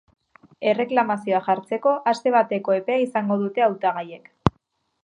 Erreklamazioa jartzeko aste bateko epea izango dute hautagaiek.